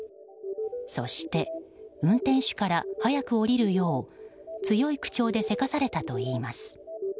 そして、運転手から早く降りるよう強い口調でせかされたといいます。